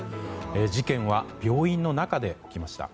事件は病院の中で起きました。